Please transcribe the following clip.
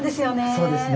そうですね。